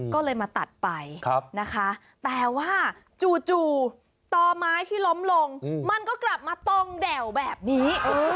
ก็เลยมาตัดไปนะคะแต่ว่าจู่ต่อไม้ที่ล้มลงมันก็กลับมาตรงแด่วแบบนี้